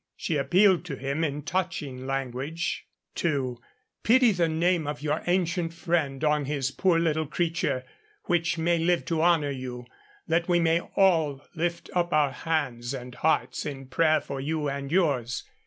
She appealed to him in touching language to 'pity the name of your ancient friend on his poor little creature, which may live to honour you, that we may all lift up our hands and hearts in prayer for you and yours.